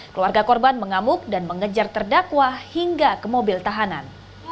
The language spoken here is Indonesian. keluarga korban mengamuk dan mengejar terdakwa hingga ke mobil tahanan